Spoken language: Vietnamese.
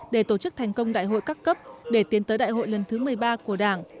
để tổ chức thành công đại hội các cấp để tiến tới đại hội lần thứ một mươi ba của đảng